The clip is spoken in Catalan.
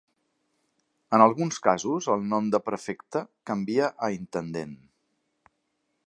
En alguns casos el nom de prefecte canvia a intendent.